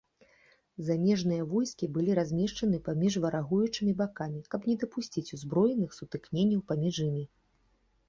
Замежныя войскі былі размешчаны паміж варагуючымі бакамі, каб не дапусціць узброеных сутыкненняў паміж імі.